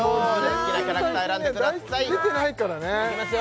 好きなキャラクター選んでくださいいきます